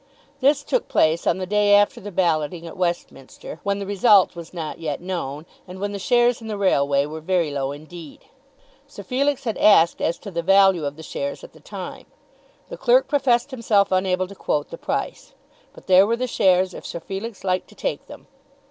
This took place on the day after the balloting at Westminster, when the result was not yet known, and when the shares in the railway were very low indeed. Sir Felix had asked as to the value of the shares at the time. The clerk professed himself unable to quote the price, but there were the shares if Sir Felix liked to take them.